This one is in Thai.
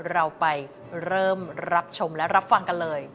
เราไปเริ่มรับชมและรับฟังกันเลย